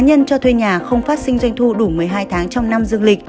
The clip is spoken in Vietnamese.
cá nhân cho thuê nhà không phát sinh doanh thu đủ một mươi hai tháng trong năm dương lịch